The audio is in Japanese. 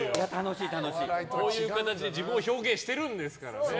こういう形で自分を表現してるんですからね。